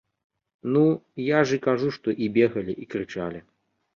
Ну, я ж і кажу, што і бегалі, і крычалі.